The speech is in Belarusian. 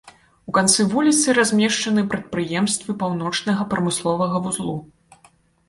У канцы вуліцы размешчаны прадпрыемствы паўночнага прамысловага вузлу.